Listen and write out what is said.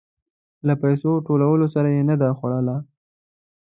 له پيسو ټولولو سره يې نه ده جوړه.